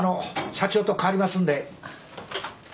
社長と代わりますんで。